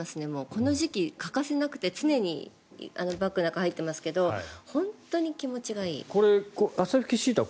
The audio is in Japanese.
この時期欠かせなくて常にバッグの中に入っていますが本当に気持ちがいい。